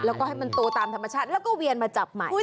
แล้วก็ให้มันโตตามธรรมชาติแล้วก็เวียนมาจับใหม่